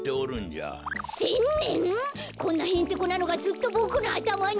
こんなへんてこなのがずっとボクのあたまに？